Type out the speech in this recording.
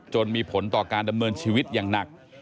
มีผลต่อการดำเนินชีวิตอย่างหนัก